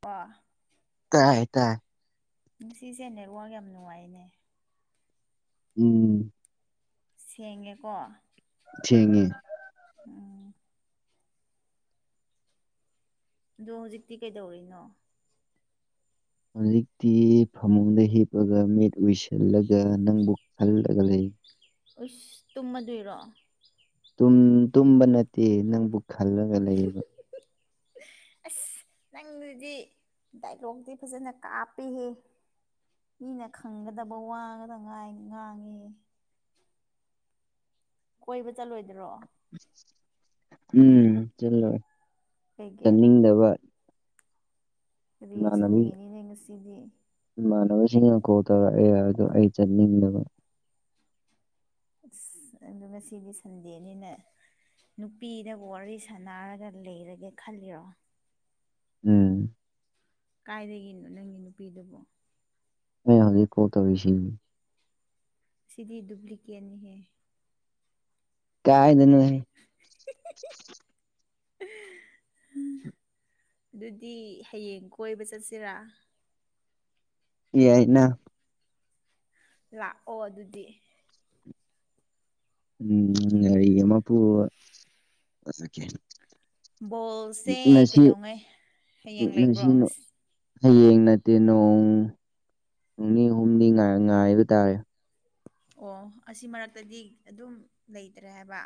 ꯄ ꯇꯥꯏ ꯇꯥꯏ ꯉꯁꯤꯁꯦ ꯅꯦꯠꯋꯥꯛ ꯌꯥꯝ ꯅꯨꯡꯉꯥꯏꯅꯦ ꯎꯝ ꯁꯦꯡꯉꯦꯀꯣ ꯊꯦꯡꯉꯦ ꯎꯝ ꯗꯣ ꯍꯧꯖꯤꯛꯇꯤ ꯀꯩꯗꯧꯔꯤꯅꯣ ꯍꯧꯖꯤꯛꯇꯤ ꯐꯃꯨꯡꯗ ꯍꯤꯞꯑꯒ ꯃꯤꯠ ꯎꯏꯁꯤꯜꯂꯒ ꯅꯪꯕꯨ ꯈꯜꯂꯒ ꯂꯩ ꯎꯏꯁ ꯇꯨꯝꯃꯗꯣꯏꯔꯣ ꯇꯨꯝ -ꯇꯨꯝꯕ ꯅꯠꯇꯦ ꯅꯪꯕꯨ ꯈꯜꯂꯒ ꯂꯩꯌꯦꯕ ꯑꯁ ꯅꯪꯗꯨꯗꯤ ꯗꯥꯏꯂꯣꯛꯇꯤ ꯐꯖꯟꯅ ꯀꯥꯞꯄꯤꯍꯦ ꯃꯤꯅ ꯈꯪꯒꯗꯕ ꯋꯥꯉꯇ ꯉꯥꯏ ꯉꯥꯡꯉꯦ ꯍꯦ ꯀꯣꯏꯕ ꯆꯠꯂꯣꯏꯗ꯭ꯔꯣ ꯎꯝ ꯆꯠꯂꯣꯏ ꯀꯩꯒꯤ ꯆꯠꯅꯤꯡꯗꯕ ꯀꯔꯤ ꯏꯃꯥꯟꯅꯕꯤ ꯁꯟꯗꯦꯅꯤꯅꯦ ꯉꯁꯤꯗꯤ ꯏꯃꯥꯟꯅꯕꯁꯤꯡꯅ ꯀꯣꯜ ꯇꯧꯔꯛꯑꯦ ꯑꯗꯣ ꯑꯩ ꯆꯠꯅꯤꯡꯗꯕ ꯑꯁ ꯑꯗꯣ ꯉꯁꯤꯗꯤ ꯁꯟꯗꯦꯅꯤꯅ ꯅꯨꯄꯤꯗꯕꯨ ꯋꯥꯔꯤ ꯁꯥꯟꯅꯔꯒ ꯂꯩꯔꯒꯦ ꯈꯜꯂꯤꯔꯣ ꯎꯝ ꯀꯥꯏꯗꯒꯤꯅꯣ ꯅꯪꯒꯤ ꯅꯨꯄꯤꯗꯨꯕꯣ ꯑꯦ ꯍꯧꯖꯤꯛ ꯀꯣꯜ ꯇꯧꯔꯤꯅꯤ ꯁꯤꯗꯤ ꯗꯨꯄ꯭ꯂꯤꯀꯦꯠꯅꯤꯍꯦ ꯀꯥꯏꯗꯅꯣ ꯍꯦ [unintelligible] ꯑꯗꯨꯗꯤ ꯍꯌꯦꯡ ꯀꯣꯏꯕ ꯆꯠꯁꯤꯔꯥ? [unintelligible] ꯂꯥꯛꯑꯣ ꯑꯗꯨꯗꯤ ꯎꯝ [unintelligible] ꯕꯣꯜꯁꯦ ꯉꯁꯤ ꯀꯩꯗꯧꯉꯩ ꯍꯌꯦꯡ ꯂꯩꯕ꯭ꯔꯣ ꯉꯁꯤ ꯍꯌꯦꯡ ꯅꯠꯇꯦ ꯅꯣꯡ ꯅꯤ ꯍꯨꯝꯅꯤ ꯉꯥꯏꯕ ꯇꯥꯔꯦ꯫ ꯑꯣ ꯑꯁꯤ ꯃꯔꯛꯇꯗꯤ ꯑꯗꯨꯝ ꯂꯩꯇ꯭ꯔꯦ ꯍꯥꯏꯕ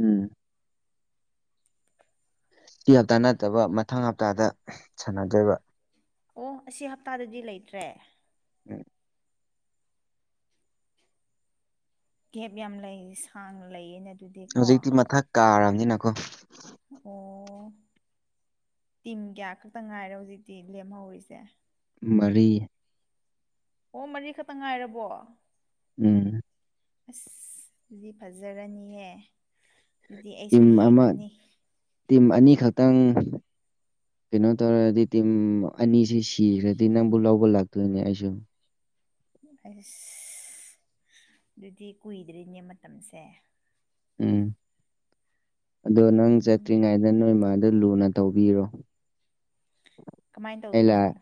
ꯎꯝ ꯇꯤꯑꯥ ꯇꯥꯅꯠꯇꯕ ꯃꯊꯪ ꯍꯞꯇꯥꯗ ꯁꯥꯟꯅꯗꯣꯏꯕ ꯑꯣ ꯑꯁꯤ ꯍꯞꯇꯥꯗꯗꯤ ꯂꯩꯇ꯭ꯔꯦ ꯎꯝ ꯒꯦꯞ ꯌꯥꯝ ꯂꯩ ꯁꯥꯡꯅ ꯂꯩꯌꯦꯃꯦꯠ ꯍꯧꯖꯤꯛꯇꯤ ꯃꯊꯛ ꯀꯥꯔꯕꯅꯤꯅꯀꯣ ꯑꯣ ꯇꯤꯝ ꯀꯌꯥ ꯈꯛꯇ ꯉꯥꯏꯔꯦ ꯍꯧꯖꯤꯛꯇꯤ ꯂꯦꯝꯍꯧꯔꯤꯁꯦ ꯃꯔꯤ ꯑꯣ ꯃꯔꯤꯈꯛꯇ ꯉꯥꯏꯔꯕꯣ ꯎꯝ ꯑꯁ ꯗꯨꯗꯤ ꯐꯖꯔꯅꯤꯍꯦ! ꯑꯗꯨꯗꯤ ꯑꯩꯁꯨ ꯎꯝ ꯑꯃ ꯌꯦꯡꯉꯅꯤ ꯇꯤꯝ ꯑꯅꯤꯈꯛꯇꯪ ꯀꯩꯅꯣ ꯇꯧꯔꯗꯤ ꯇꯤꯝ ꯑꯅꯤꯁꯤ ꯀꯤꯈ꯭ꯔꯗꯤ ꯅꯪꯕꯨ ꯂꯧꯕ ꯂꯥꯛꯇꯣꯏꯅꯦ ꯑꯩꯁꯨ꯫ ꯑꯁ ꯑꯗꯨꯗꯤ ꯀꯨꯏꯗ꯭ꯔꯤꯅꯦ ꯃꯇꯝꯁꯦ꯫ ꯎꯝ ꯑꯗꯣ ꯅꯪ ꯎꯝ ꯆꯠꯇ꯭ꯔꯤꯉꯩꯗ ꯅꯣꯏꯃꯗ ꯂꯨꯅ ꯇꯧꯕꯤꯔꯣ꯫ ꯀꯃꯥꯏ ꯑꯩ ꯇꯧꯗꯣꯏꯅꯣ? ꯂꯥꯛ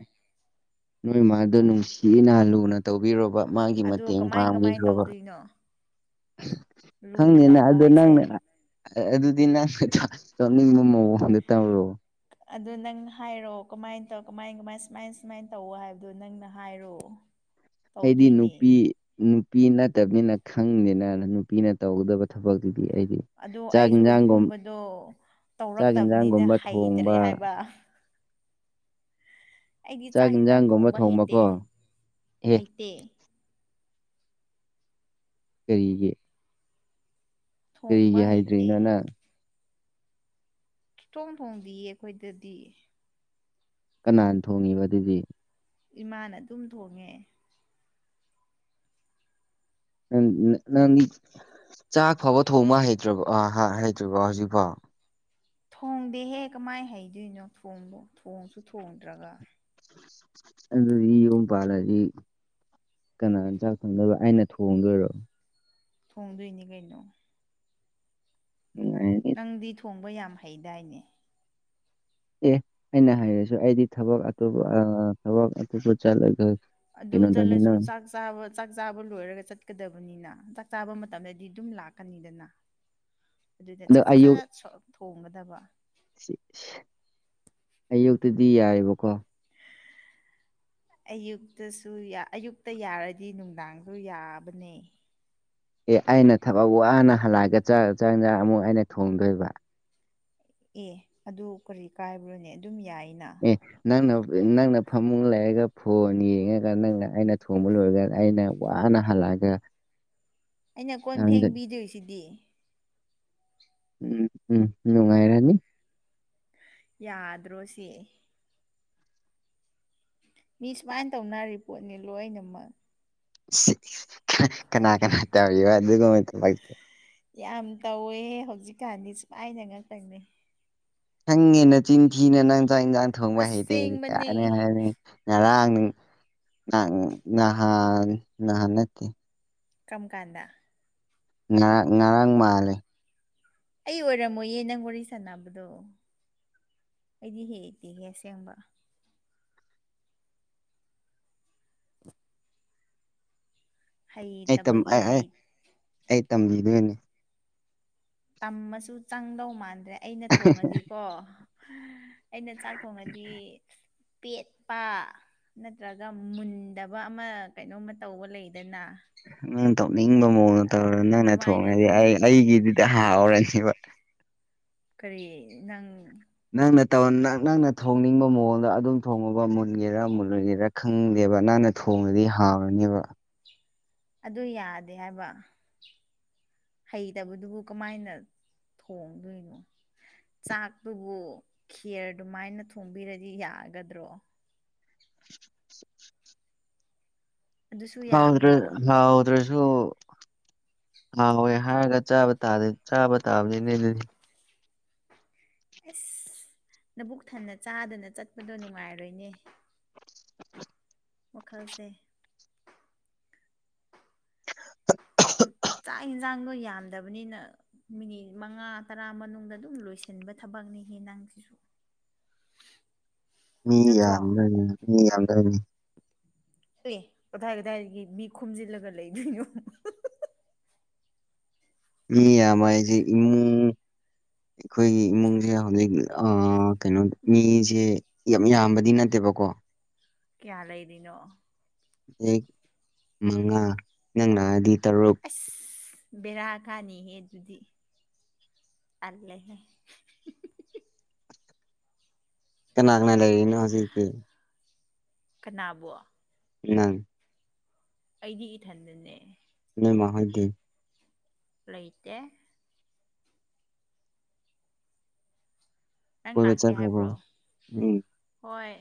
ꯅꯣꯏ ꯃꯥꯗꯣ ꯅꯨꯡꯁꯤꯅ ꯂꯨꯅ ꯇꯧꯕꯤꯔꯣꯕ ꯃꯥꯒꯤ ꯑꯗꯨ ꯃꯇꯦꯡ ꯀꯃꯥꯏ ꯄꯥꯡꯕꯤꯈ꯭ꯔꯣꯕ꯫ [unintelligible] ꯂꯨꯅ ꯈꯪꯗꯦꯅ ꯇꯧꯕ ꯑꯗꯣ ꯍꯥꯏꯁꯦ ꯅꯪꯅ ꯑꯗꯨꯗꯤ ꯅꯪꯅ ꯇꯧꯅꯤꯡꯕ ꯃꯑꯣꯡꯗ ꯇꯧꯔꯣ꯫ ꯑꯗꯨ ꯅꯪꯅ ꯍꯥꯏꯔꯛꯑꯣ ꯀꯃꯥꯏꯅ ꯇꯧ ꯀꯃꯥꯏ ꯀꯃꯥꯏ ꯁꯨꯃꯥꯏ ꯁꯨꯃꯥꯏꯅ ꯇꯧ ꯍꯥꯏꯕꯗꯨꯣ ꯅꯪꯅ ꯍꯥꯏꯔꯛꯑꯣ꯫ [inaudible] ꯑꯩꯗꯤ ꯅꯨꯄꯤ ꯅꯨꯄꯤ ꯅꯠꯇꯕꯅꯤꯅ ꯈꯪꯗꯦꯅ ꯅꯨꯄꯤꯅ ꯇꯧꯒꯗꯕ ꯊꯕꯛꯇꯨꯗꯤ ꯑꯩꯗꯤ꯫ ꯑꯗꯣ ꯆꯥꯛ ꯑꯩꯁꯨ ꯌꯦꯟꯁꯥꯡꯒꯨꯝ ꯑꯗꯨꯒꯨꯝꯕꯗꯣ ꯆꯥꯛ ꯇꯧꯔꯛꯇꯕꯅꯤꯅ ꯌꯦꯟꯁꯥꯡꯒꯨꯝꯕ ꯍꯩꯇ꯭ꯔꯦ ꯊꯣꯡꯕ ꯍꯥꯏꯕ꯫ [unintelligible] ꯑꯩꯒꯤ ꯆꯥꯛ ꯌꯦꯟꯁꯥꯡ ꯌꯦꯟꯁꯥꯡꯒꯨꯝꯕ ꯊꯣꯡꯕ ꯍꯩꯇꯦ ꯊꯣꯡꯕꯀꯣ ꯑꯦ ꯍꯩꯇꯦ꯫ ꯀꯔꯤꯒꯤ? ꯊꯣꯡꯕ ꯀꯔꯤꯒꯤ ꯍꯩꯇꯦ ꯍꯥꯏꯗ꯭ꯔꯤꯅꯣ ꯅꯪ? ꯊꯣꯡ ꯊꯣꯡꯗꯤꯌꯦ ꯑꯩꯈꯣꯏꯗꯗꯤ ꯀꯅꯥꯅ ꯊꯣꯡꯉꯤꯕ ꯑꯗꯨꯗꯤ? ꯏꯃꯥꯅ ꯑꯗꯨꯝ ꯊꯣꯡꯉꯦ꯫ ꯪ ꯅꯪꯗꯤ ꯆꯥꯛ ꯐꯥꯎꯕ ꯊꯣꯡꯕ ꯍꯩꯇ꯭ꯔ ꯍꯩꯇ꯭ꯔꯤꯕ ꯍꯧꯖꯤꯛꯐꯥꯎ? ꯊꯣꯡꯗꯦꯍꯦ ꯀꯃꯥꯏꯅ ꯍꯩꯗꯣꯏꯅꯣ ꯊꯣꯡꯕꯣ ꯊꯣꯡꯁꯨ ꯊꯣꯡꯗ꯭ꯔꯒ꯫ ꯑꯗꯨꯗꯤ ꯌꯨꯝ ꯄꯥꯂꯗꯤ ꯀꯅꯥꯅ ꯆꯥꯛ ꯈꯪꯗꯣꯏꯕ ꯑꯩꯅ ꯊꯣꯡꯗꯣꯏꯔꯣ? ꯊꯣꯡꯗꯣꯏꯅꯤ ꯀꯩꯅꯣ꯫ [unintelligible] ꯅꯪꯗꯤ ꯊꯣꯡꯕ ꯌꯥꯝ ꯍꯩꯗꯥꯏꯅꯦ ꯑꯦ ꯑꯩꯅ ꯍꯥꯏꯔꯁꯨ ꯑꯩꯗꯤ ꯊꯕꯛ ꯑꯇꯣꯞꯄ ꯊꯕꯛ ꯑꯇꯣꯞꯄ ꯆꯠꯂꯒ ꯑꯗꯨ ꯀꯩꯅꯣ ꯇꯧꯅꯤ ꯆꯠꯂꯁꯨ ꯅꯪ ꯆꯥꯛ ꯥꯛ ꯆꯥꯕ ꯆꯥꯛ ꯆꯥꯕ ꯂꯣꯏꯔꯒ ꯆꯠꯀꯗꯕꯅꯤꯅ ꯆꯥꯛ ꯆꯥꯕ ꯃꯇꯝꯗꯗꯤ ꯑꯗꯨꯝ ꯂꯥꯛꯀꯅꯤꯗꯅ꯫ ꯑꯗꯨꯗ ꯑꯗꯣ ꯁꯠ ꯁꯠ ꯁꯠ ꯑꯌꯨꯛ ꯁꯠ ꯁ ꯑ ꯊꯣꯡꯒꯗꯕ ꯑꯌꯨꯛꯇꯗꯤ ꯌꯥꯏꯑꯦꯕꯀꯣ [inaudible] ꯑꯌꯨꯛꯇꯁꯨ ꯌꯥ ꯑꯌꯨꯛꯇ ꯌꯥꯔꯗꯤ ꯅꯨꯡꯗꯥꯡꯁꯨ ꯌꯥꯕꯅꯦ ꯑꯦ ꯑꯩꯅ ꯊꯕꯛ ꯋꯥꯅ ꯍꯜꯂꯛꯑꯒ ꯆꯥꯛ ꯆꯥꯛ ꯏꯟꯁꯥꯡ ꯑꯃꯨꯛ ꯑꯩꯅ ꯊꯣꯡꯗꯣꯏꯕ ꯑꯦ ꯑꯗꯨ ꯀꯔꯤ ꯀꯥꯏꯕ꯭ꯔꯥꯅꯦ ꯑꯗꯨꯝ ꯌꯥꯏꯅ ꯑꯦ ꯅꯪꯅ ꯅꯪꯅ ꯐꯃꯨꯡ ꯂꯩꯔꯒ ꯐꯣꯟ ꯌꯦꯡꯉꯒ ꯅꯪꯅ ꯑꯩꯅ ꯊꯣꯡꯕ ꯂꯣꯏꯔꯒ ꯑꯩꯅ ꯋꯥꯅ ꯍꯜꯂꯑꯒ ꯑꯩꯅ ꯀꯣꯟ ꯊꯦꯡꯕꯤꯗꯣꯏꯁꯤꯗꯤ ꯎꯝ ꯎꯝ ꯅꯨꯡꯉꯥꯏꯔꯅꯤ ꯌꯥꯗ꯭ꯔꯣ ꯁꯤ? ꯃꯤ ꯁꯨꯃꯥꯏꯅ ꯇꯧꯅꯔꯤ ꯄꯣꯠꯅꯤ ꯂꯣꯏꯅꯃꯛ ꯀꯅꯥ ꯀꯅꯥ ꯇꯧꯔꯤꯕ ꯑꯗꯨꯒꯨꯝꯕ ꯊꯕꯛꯇꯤ ꯌꯥꯝ ꯇꯧꯋꯦ ꯍꯦ ꯍꯧꯖꯤꯛꯀꯥꯟꯗꯤ ꯁꯨꯃꯥꯏꯅ ꯉꯥꯛꯇꯅꯦ ꯈꯪꯉꯦ ꯅꯆꯤꯟ ꯊꯤꯅꯨ ꯅꯪ ꯆꯥꯛ ꯏꯟꯁꯥꯡ ꯊꯣꯡꯕ ꯑꯁ ꯍꯩꯇꯦ ꯀꯥ ꯁꯦꯡꯕꯅꯦ ꯍꯥꯏꯅꯤ ꯉꯔꯥꯡ ꯅ ꯅꯍꯥꯟ ꯅꯍꯥꯟ ꯅꯠꯇꯦ ꯀꯝ ꯀꯥꯟꯗ ꯉꯔꯥꯡ ꯉꯔꯥꯡ ꯃꯥꯜꯂꯦ ꯑꯩ ꯑꯣꯏꯔꯝ ꯃꯣꯏꯌꯦ ꯅꯪ ꯋꯥꯔꯤ ꯁꯥꯟꯅꯕꯗꯣ ꯑꯩꯗꯤ ꯍꯦꯛ ꯍꯩꯇꯦꯍꯦ ꯑꯁꯦꯡꯕ ꯑꯩ ꯇꯝ ꯍꯩꯇꯕꯒꯤ ꯑꯩ ꯑꯩ ꯍꯩ ꯑꯩ ꯇꯝꯕꯤꯗꯣꯏꯅꯦ ꯇꯝꯃꯁꯨ ꯆꯪꯗꯧ ꯃꯥꯟꯗ꯭ꯔꯦ ꯑꯩꯅ ꯊꯣꯡꯉꯗꯤꯀꯣ ꯑꯩꯅ ꯆꯥꯛ ꯊꯣꯡꯉꯗꯤ ꯄꯦꯠꯄ ꯅꯠꯇ꯭ꯔꯒ ꯃꯨꯟꯗꯕ ꯑꯃ ꯀꯩꯅꯣꯝꯃ ꯇꯧꯕ ꯂꯩꯗꯅ ꯅꯪꯅ ꯇꯧꯅꯤꯡꯕ ꯃꯑꯣꯡꯗ ꯇꯧꯔꯣ ꯅꯪꯅ ꯑꯗꯨꯃꯥꯏꯅ ꯊꯣꯡꯉꯗꯤ ꯑꯗꯨꯝ ꯑꯩ ꯇꯧ ꯑꯩꯒꯤꯗꯨꯗ ꯍꯥꯎꯔꯅꯤꯕ ꯀꯔꯤ ꯅꯪ ꯅꯪꯅ ꯇꯧ ꯅꯪ ꯅꯪꯅ ꯊꯣꯡꯅꯤꯡꯕ ꯃꯑꯣꯡꯗ ꯑꯗꯨꯝ ꯊꯣꯡꯉꯕ ꯃꯨꯟꯒꯦꯔꯥ ꯃꯨꯟꯂꯣꯏ ꯒꯦꯔ ꯈꯪꯗꯦꯕ ꯅꯪꯅ ꯊꯣꯡꯉꯗꯤ ꯍꯥꯎꯔꯅꯦꯕ ꯑꯗꯨ ꯌꯥꯗꯦ ꯍꯥꯏꯕ ꯍꯩꯇꯕꯗꯨꯕꯨ ꯀꯃꯥꯏꯅ ꯊꯣꯡꯗꯣꯏꯅꯣ ꯆꯥꯛꯇꯨꯕꯨ ꯈꯦꯔ ꯗꯨꯃꯥꯏꯅ ꯊꯣꯡꯕꯤꯔꯗꯤ ꯌꯥꯒꯗ꯭ꯔꯣ [inaudible] ꯑꯗꯨꯁꯨ ꯍꯥꯎꯇ꯭ꯔ ꯌꯥꯕ꯭ꯔꯣ ꯍꯥꯎ ꯇ꯭ꯔꯁꯨ ꯍꯥꯎꯋꯦ ꯍꯥꯏꯔꯒ ꯆꯥꯕ ꯇꯥꯔꯦ ꯆꯥꯕ ꯇꯥꯕꯅꯤꯅꯦ ꯑꯗꯨꯗꯤ ꯑꯁ ꯅꯕꯨꯛ ꯊꯟꯅ ꯆꯥꯗꯅ ꯆꯠꯄꯗꯣ ꯅꯨꯡꯉꯥꯏꯔꯣꯏꯅꯦ ꯋꯥꯈꯜꯁꯦ ꯆꯥꯛ ꯍꯦꯟꯁꯥꯡꯗꯣ ꯌꯥꯝꯗꯕꯅꯤꯅ ꯃꯤꯅꯤꯠ ꯃꯉꯥ ꯇꯔꯥ ꯃꯅꯨꯡꯗ ꯑꯗꯨꯝ ꯂꯣꯏꯁꯤꯟꯕ ꯊꯕꯛꯅꯤꯍꯦ ꯅꯪꯁꯤꯁꯨ [inaudible] ꯃꯤ ꯅꯠꯇ꯭ꯔꯣ ꯌꯥꯝꯗꯨꯏꯅꯦ ꯃꯤ ꯌꯥꯝꯗꯨꯏꯅꯤ ꯀꯔꯤ ꯀꯗꯥꯥꯏ ꯀꯗꯥꯏꯗꯒꯤ ꯃꯤ ꯈꯣꯝꯖꯤꯜꯂꯒ ꯂꯩꯗꯣꯏꯅꯣ ꯃꯤ ꯌꯥꯝꯕ ꯍꯥꯏꯖꯦ ꯏꯃꯨꯡ [inaudible] ꯑꯩꯈꯣꯏꯒꯤ ꯏꯃꯨꯡꯁꯦ ꯍꯧꯖꯤꯛ ꯑ ꯀꯩꯅꯣ ꯃꯤꯁꯦ ꯌꯥꯝ ꯌꯥꯝꯕꯗꯤ ꯅꯠꯇꯦꯕꯀꯣ ꯀꯌꯥ ꯂꯩꯔꯤꯅꯣ ꯌꯦꯛ ꯃꯉꯥ ꯅꯪ ꯂꯥꯛꯑꯗꯤ ꯇꯔꯨꯛ ꯑꯁ ꯕꯦꯔꯥ ꯀꯥꯅꯤꯍꯦ ꯑꯗꯨꯗꯤ ꯇꯜꯂꯦꯍꯦ ꯀꯅꯥ ꯀꯅꯥ ꯂꯩꯔꯤꯅꯣ ꯍꯧꯖꯤꯛꯇꯤ ꯀꯅꯥꯕꯨ ꯅꯪ ꯑꯩꯗꯤ ꯏꯊꯟꯗꯅꯦ ꯅꯣꯏꯃꯥ ꯍꯣꯏꯗꯤ ꯂꯩꯇꯦ ꯅꯪ ꯀꯣꯏꯕ ꯂꯥꯛꯀꯦ ꯆꯠꯈ꯭ꯔꯕꯣ ꯍꯥꯏꯕ꯭ꯔꯣ ꯎꯝ ꯍꯣꯏ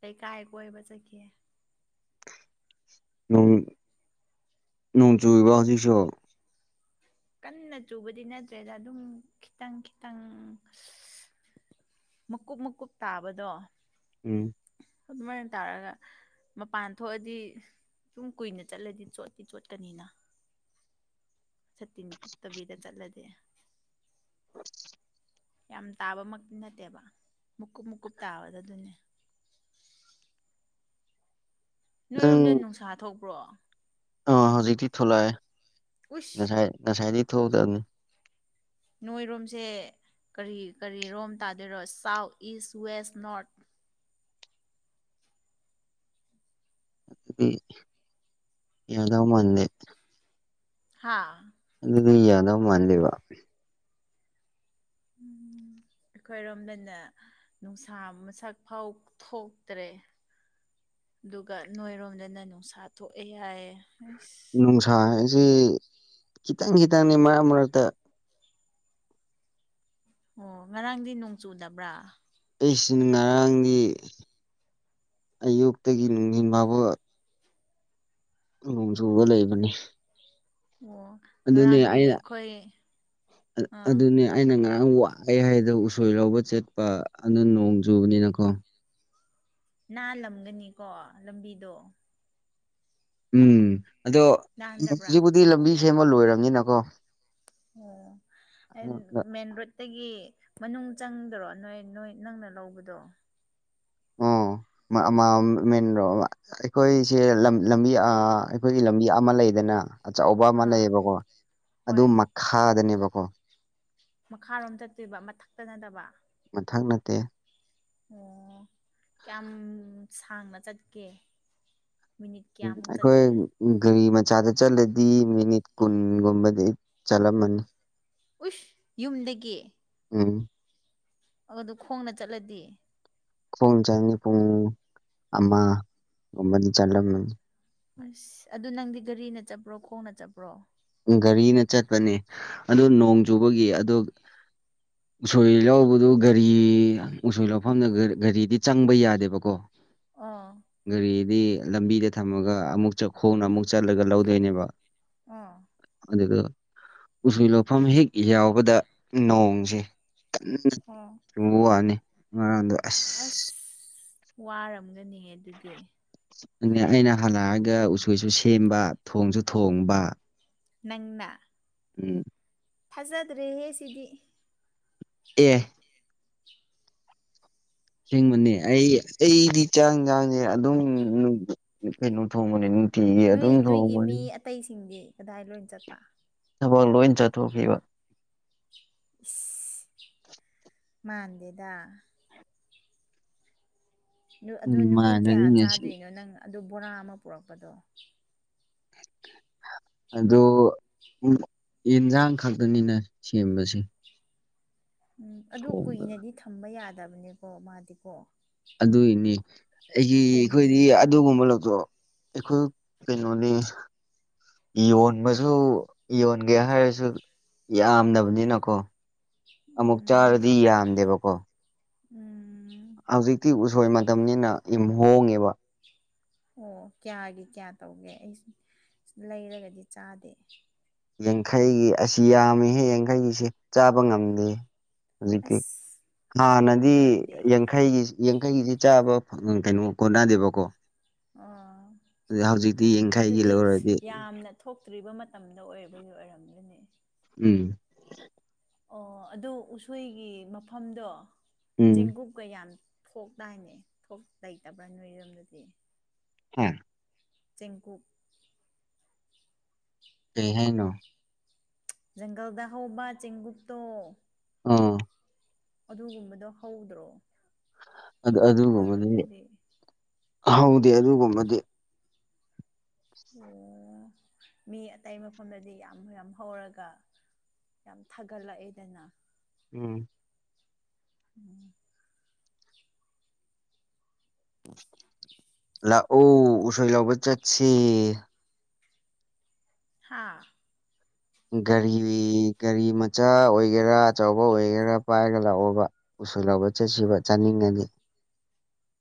ꯂꯩꯀꯥꯏ ꯀꯣꯏꯕ ꯆꯠꯈꯤ ꯅꯣꯡ ꯅꯣꯡ ꯆꯨꯔꯤꯕ ꯍꯧꯖꯤꯛꯁꯨ ꯀꯟꯅ ꯆꯨꯕꯗꯤ ꯅꯠꯇ꯭ꯔꯦꯗ ꯑꯗꯨꯝ ꯈꯤꯇꯪ ꯈꯤꯇꯪ ꯃꯀꯨꯞ ꯃꯀꯨꯞ ꯇꯥꯕꯗꯣ ꯎꯝ ꯑꯗꯨꯃꯥꯏꯅ ꯇꯥꯔꯒ ꯃꯄꯥꯟ ꯊꯣꯛꯑꯗꯤ ꯁꯨꯝ ꯀꯨꯏꯅ ꯆꯠꯂꯗꯤ ꯆꯣꯠꯇꯤ ꯆꯣꯠꯀꯅꯤꯅ ꯁꯇꯤꯟ ꯀꯨꯞꯇꯕꯤꯗ ꯆꯠꯂꯗꯤ [inaudible] ꯌꯥꯝ ꯇꯥꯕꯃꯛꯇꯤ ꯅꯠꯇꯦꯕ ꯃꯨꯀꯨꯞ ꯃꯨꯀꯨꯞ ꯇꯥꯕꯗ ꯑꯗꯨꯅꯦ ꯅꯣꯏꯔꯣꯝꯗꯤ ꯅꯨꯡꯁꯥ ꯊꯣꯛꯄ꯭ꯔꯣ ꯑꯥ ꯍꯧꯖꯤꯛꯇꯤ ꯊꯣꯛꯂꯛꯑꯦ ꯎꯏꯁ ꯉꯁꯥꯏ ꯉꯁꯥꯏꯗꯤ ꯊꯣꯛꯗꯕꯅꯤ ꯅꯣꯏꯔꯣꯝꯁꯦ ꯀꯔꯤ ꯀꯔꯤꯔꯣꯝ ꯇꯥꯗꯣꯏꯔꯣ ꯁꯥꯎꯠ ꯏꯁ ꯋꯦꯁ ꯅꯣꯔꯠ ꯑꯗꯨꯗꯤ ꯌꯥꯗꯧ ꯃꯥꯟꯗꯦ ꯍꯥꯥ ꯑꯗꯨꯗꯤ ꯌꯥꯗꯧ ꯃꯥꯟꯗꯦꯕ ꯎꯝ ꯑꯩꯈꯣꯏꯔꯣꯝꯗꯅ ꯅꯨꯡꯁꯥ ꯃꯁꯛ ꯐꯥꯎ ꯊꯣꯛꯇ꯭ꯔꯦ ꯑꯗꯨꯒ ꯅꯣꯏꯔꯣꯝꯗꯅ ꯅꯨꯡꯁꯥ ꯊꯣꯛꯑꯦ ꯍꯥꯏꯌꯦ ꯍꯩꯁ ꯅꯨꯡꯁꯥ ꯍꯥꯏꯁꯤ ꯈꯤꯇꯪ ꯈꯤꯇꯪꯅꯤ ꯃꯔꯛ ꯃꯔꯛꯇ ꯑꯣ ꯉꯔꯥꯡꯗꯤ ꯅꯣꯡ ꯆꯨꯗꯕ꯭ꯔꯥ ꯑꯩꯁꯤ ꯉꯔꯥꯡꯒꯤ ꯑꯌꯨꯛꯇꯒꯤ ꯅꯨꯡꯗꯤꯟ ꯕꯥꯎꯕ ꯅꯣꯡ ꯆꯨꯕ ꯂꯩꯕꯅꯤ ꯑꯣ ꯑꯗꯨꯅꯦ ꯉꯔꯥꯡꯗꯤ ꯑꯩꯅ ꯑꯩꯈꯣꯏ ꯑ- ꯑꯥ ꯑꯗꯨꯅꯦ ꯑꯩꯅ ꯉꯔꯥꯡ ꯋꯥꯑꯦ ꯍꯥꯏꯗꯣ ꯎꯁꯣꯏ ꯂꯧꯕ ꯆꯦꯠꯄ ꯑꯗꯨ ꯅꯣꯡ ꯆꯨꯕꯅꯤꯅꯀꯣ ꯅꯥꯜꯂꯝꯒꯅꯤꯀꯣ ꯂꯝꯕꯤꯗꯣ ꯎꯝ ꯑꯗꯣ ꯅꯥꯟꯗꯕ꯭ꯔꯥ ꯍꯧꯖꯤꯛꯕꯨꯨꯗꯤ ꯂꯝꯕꯤ ꯁꯦꯝꯕ ꯂꯣꯏꯔꯝꯅꯤꯅꯀꯣ ꯑꯣ ꯃꯔꯣ ꯑꯒꯤ ꯃꯅꯨꯡ ꯆꯪꯗꯔꯣ ꯅꯣꯏ ꯅꯣꯏ ꯅꯪꯅ ꯂꯧꯕꯗꯣ ꯑꯣ ꯃꯥ ꯃꯦꯟꯣ ꯑꯩꯈꯣꯏꯁꯦ ꯂꯝꯕꯤ ꯑꯩꯈꯣꯏꯒꯤ ꯂꯝꯕꯤ ꯑꯃ ꯂꯩꯗꯅ ꯑꯆꯧꯕ ꯑꯃ ꯑꯥ ꯂꯩꯌꯦꯕꯀꯣ ꯑꯗꯨ ꯍꯣꯏ ꯃꯈꯥꯗꯅꯦꯕꯀꯣ ꯃꯈꯥꯔꯣꯝ ꯆꯠꯇꯣꯏꯕ ꯃꯊꯛꯇ ꯅꯠꯇꯕ ꯃꯊꯛ ꯅꯠꯇꯦ ꯑꯣ ꯀꯌꯥꯝ ꯁꯥꯡꯅ ꯆꯠꯀꯦ ꯃꯤꯅꯤꯠ ꯎꯝ ꯀꯌꯥꯃꯨꯛ ꯑꯩꯈꯣꯏ ꯆꯠꯀꯦ ꯒꯥꯔꯤ ꯃꯆꯥꯗ ꯆꯠꯂꯗꯤ ꯃꯤꯅꯤꯠ ꯀꯨꯟꯒꯨꯝꯕꯗꯤ ꯆꯠꯂꯝꯃꯅꯤ ꯎꯁ ꯌꯨꯝꯗꯒꯤ ꯑ ꯑꯗꯨ ꯑꯗꯨ ꯈꯣꯡꯅ ꯆꯠꯂꯗꯤ ꯄꯨꯡ ꯆꯅꯤ ꯄꯨꯡ ꯑꯃꯒꯨꯝꯕꯗꯤ ꯆꯠꯂꯝꯕꯅꯤ ꯑꯁ ꯑꯗꯨ ꯅꯪꯗꯤ ꯒꯥꯔꯤꯅ ꯆꯠꯄ꯭ꯔꯣ ꯈꯣꯡꯅ ꯆꯠꯄ꯭ꯔꯣ ꯒꯥꯔꯤꯅ ꯆꯠꯄꯅꯦ ꯑꯗꯨ ꯅꯣꯡ ꯆꯨꯕꯒꯤ ꯑꯗꯣ [inaudible] ꯎꯁꯣꯏ ꯂꯧꯕꯗꯨ ꯒꯥꯔꯤ ꯎꯁꯣꯏ ꯂꯧꯐꯝꯗ ꯒꯥꯔꯤꯗꯤ ꯆꯪꯕ ꯌꯥꯗꯦꯕꯀꯣ ꯑꯥ ꯒꯥꯔꯤꯗꯤ ꯂꯝꯕꯤꯗ ꯊꯝꯃꯒ ꯑꯃꯨꯛ ꯈꯣꯡꯅ ꯑꯃꯨꯛ ꯆꯠꯂꯒ ꯂꯧꯗꯣꯏꯅꯦꯕ ꯑꯥ ꯑꯗꯨꯒ ꯎꯁꯣꯏ ꯂꯣꯐꯝ ꯍꯦꯛ ꯌꯥꯎꯕꯗ ꯅꯣꯡꯁꯦ ꯑꯣꯝ ꯌꯕ ꯋꯥꯅꯤ ꯉꯔꯥꯡꯗ ꯑꯁ ꯋꯥꯔꯝꯒꯅꯤ ꯑꯗꯨꯗꯤ ꯑꯗꯨ ꯑꯩꯅ ꯍꯜꯂꯛꯑꯒ ꯎꯆꯣꯏꯁꯨ ꯁꯦꯝꯕ ꯊꯣꯡꯁꯨ ꯊꯣꯡꯕ ꯅꯪꯅ ꯎꯝ ꯐꯥꯖꯗ꯭ꯔꯦꯍꯦ ꯁꯤꯗꯤ ꯑꯦ ꯊꯦꯡꯕꯅꯦ ꯑꯩ ꯑꯩꯗꯤ ꯆꯥꯡ ꯆꯥꯡꯁꯦ ꯑꯗꯨꯝ ꯀꯩꯅꯣ ꯊꯣꯡꯕꯅꯤ ꯊ ꯑꯗꯨꯝ ꯊ ꯃꯅꯤ ꯑꯇꯩꯁꯤꯡꯁ ꯀꯗꯥꯏ ꯂꯣꯏ ꯆꯠꯄ ꯊꯕꯛ ꯂꯣꯏ ꯆꯠꯊꯣꯛꯈꯤꯕ [inaudible] ꯃꯥꯥꯟꯗꯦꯗ ꯑꯗꯨ ꯎꯝ ꯅꯨꯃꯤꯠ ꯀꯌꯥ ꯃꯥꯟꯅꯗꯤ ꯉꯁꯤ ꯆꯥꯗꯣꯏꯅꯣ ꯅꯪ ꯑꯗꯨ ꯕꯣꯔꯥ ꯑꯃ ꯄꯨꯔꯛꯄꯗꯣ ꯑꯗꯣ ꯌꯦꯟꯖꯥꯡ ꯈꯛꯇꯅꯤꯅ ꯁꯦꯝꯕꯁꯦ ꯎꯝ ꯑꯗꯨ ꯊꯣꯡꯕ ꯀꯨꯏꯅꯗꯤ ꯊꯝꯕ ꯌꯥꯗꯕꯅꯦꯀꯣ ꯃꯥꯗꯤꯀꯣ ꯑꯗꯨꯏꯅꯤ ꯑꯩꯒꯤ ꯑꯩꯈꯣꯏꯗꯤ ꯄꯨꯝꯃꯦꯕ ꯑꯗꯨꯒꯨꯝꯕ ꯂꯧꯊꯣꯛꯣꯑꯣ ꯏꯈꯣ ꯇꯩꯅꯩꯅꯣꯅꯤ ꯌꯣꯟꯕꯁꯨ ꯌꯣꯟꯒꯦ ꯍꯥꯏꯔꯁꯨ ꯌꯥꯝꯗꯕꯅꯤꯅꯀꯣ ꯑꯃꯨꯛ ꯎꯝ ꯆꯥꯔꯗꯤ ꯌꯥꯝꯗꯦꯕꯀꯣ ꯎꯝ ꯍꯧꯖꯤꯛꯇꯤ ꯎꯁꯣꯏ ꯃꯇꯝꯅꯤꯅ ꯏꯝ ꯍꯣꯡꯉꯦꯕ ꯑꯣ ꯀꯌꯥꯒꯤ ꯀꯌꯥ ꯇꯧꯒꯦ ꯑꯩ ꯂꯩꯔꯒꯗꯤ ꯆꯥꯗꯦ ꯌꯥꯡꯈꯩꯒꯤ ꯑꯁꯤ ꯌꯥꯝꯃꯤꯍꯦ ꯌꯥꯡꯈꯩꯒꯤꯁꯦ ꯆꯥꯕ ꯉꯝꯗꯦ ꯍꯧꯖꯤꯛꯇꯤ ꯑꯁ ꯍꯥꯟꯅꯗꯤ ꯑꯗꯨ ꯑꯣꯏꯔꯗꯤ ꯌꯥꯡꯈꯩꯒꯤ ꯌꯥꯡꯈꯩꯁꯤ ꯆꯥꯕ ꯀꯩꯅꯣ ꯀꯣꯟꯅꯗꯦꯕꯀꯣ ꯑꯥ ꯍꯧꯖꯤꯛꯇꯤ ꯌꯥꯡꯈꯩꯒꯤ ꯑꯗꯨꯗꯤ ꯂꯧꯔꯗꯤ ꯌꯥꯝꯅ ꯊꯣꯛꯇ꯭ꯔꯤꯕ ꯃꯇꯝꯗ ꯑꯣꯏꯕꯒꯤ ꯑꯣꯏꯔꯝꯒꯅꯤ ꯎꯝ ꯑꯣ ꯑꯗꯨ ꯎꯁꯣꯏꯒꯤ ꯃꯐꯝꯗꯣ ꯎꯝ ꯆꯦꯡꯀꯣꯛ ꯀꯌꯥꯝ ꯊꯣꯛꯗꯥꯏꯅꯦ ꯊꯣꯛ ꯂꯩꯇꯕ꯭ꯔꯥ ꯅꯣꯏ ꯌꯨꯝꯗꯗꯤ ꯍ ꯆꯦꯡꯀꯨꯞ ꯀꯍꯅꯣ ꯪꯒꯜꯗ ꯍꯥꯎꯧꯕ ꯆꯦꯡꯒꯇꯣ ꯑ ꯑꯗꯨꯒꯨꯝꯕꯗꯣ ꯍꯧꯗ꯭ꯔꯣ ꯑꯗꯨ ꯑꯗꯨꯒꯨꯝꯕꯗꯤ ꯅꯣꯏꯔꯣꯝꯗꯗꯤ ꯍꯧꯗꯦ ꯑꯗꯨꯒꯨꯝꯕꯗꯤ ꯃꯤ ꯑꯇꯩ ꯃꯐꯝꯗꯗꯤ ꯌꯥꯝ ꯌꯥꯝ ꯍꯧꯔꯒ ꯌꯥꯝ ꯊꯥꯒꯠꯂꯛꯑꯦꯗꯅ ꯎꯝ ꯎꯝ [unintelligible] ꯂꯥꯛꯑꯣ ꯎꯁꯣꯏ ꯂꯧꯕ ꯆꯠꯁ‌ꯦ ꯍꯥꯥ ꯒꯥꯔꯤ ꯒꯥꯔꯤ ꯃ ꯆꯥ ꯑꯣꯏꯒꯦꯔꯥ ꯑꯆꯧꯕ ꯑꯣꯏꯒꯦꯔꯥ ꯄꯥꯏꯔꯒ ꯂꯥꯛꯑꯣꯕ ꯎꯁꯣꯏ ꯂꯧꯕ ꯆꯠꯁꯤꯕ ꯆꯥꯅꯤꯡꯉꯅꯤ